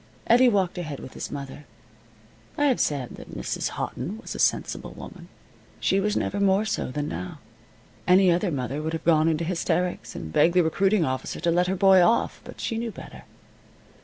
Eddie walked ahead with his mother. I have said that Mrs. Houghton was a sensible woman. She was never more so than now. Any other mother would have gone into hysterics and begged the recruiting officer to let her boy off. But she knew better.